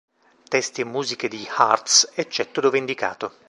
Testi e musiche degli Hurts, eccetto dove indicato.